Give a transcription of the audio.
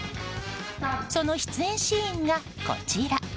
その出演シーンがこちら。